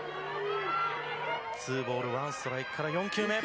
２ボール１ストライクから４球目